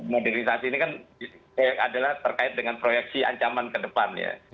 modernisasi ini kan adalah terkait dengan proyeksi ancaman ke depan ya